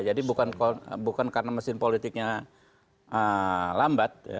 jadi bukan karena mesin politiknya lambat